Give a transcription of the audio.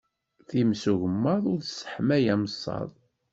Times ugemmaḍ, ur tesseḥmay ameṣṣaḍ.